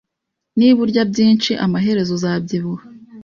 Niba urya byinshi, amaherezo uzabyibuha.